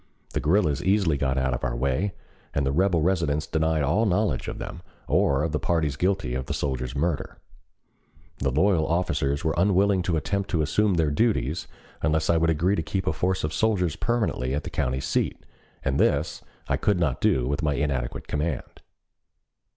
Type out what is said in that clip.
The guerrillas easily got out of our way and the rebel residents denied all knowledge of them or of the parties guilty of the soldier's murder. The loyal officials were unwilling to attempt to assume their duties unless I would agree to keep a force of soldiers permanently at the county seat, and this I could not do with my inadequate command.